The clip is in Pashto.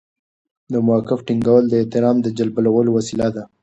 د موقف ټینګول د احترام جلبولو وسیله ده.